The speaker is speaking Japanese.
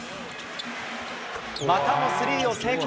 またもスリーを成功。